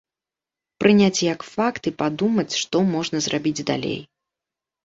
Прыняць як факт і падумаць, што можна зрабіць далей.